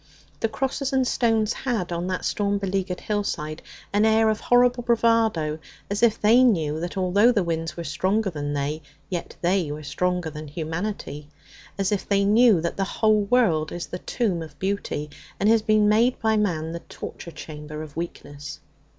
The crosses and stones had, on that storm beleaguered hillside, an air of horrible bravado, as if they knew that although the winds were stronger than they, yet they were stronger than humanity; as if they knew that the whole world is the tomb of beauty, and has been made by man the torture chamber of weakness.